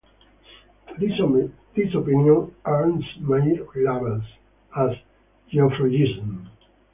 This opinion Ernst Mayr labels as 'Geoffroyism'.